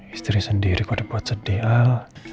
istri sendiri kok ada buat sedih al